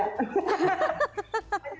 betul lah manja